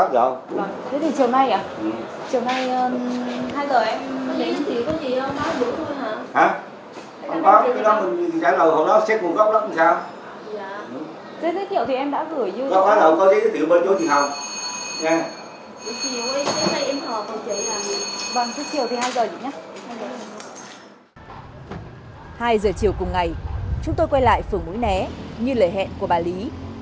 hai giờ chiều cùng ngày chúng tôi quay lại phường mũi né như lời hẹn của bà lý